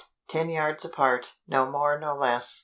Ten yards apart, no more no less.